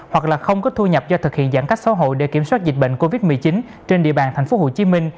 hoặc là không có thu nhập do thực hiện giãn cách xã hội để kiểm soát dịch bệnh covid một mươi chín trên địa bàn tp hcm